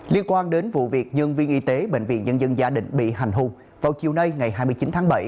liên quan đến vụ việc nhân viên y tế bệnh viện nhân dân gia định bị hành hung vào chiều nay ngày hai mươi chín tháng bảy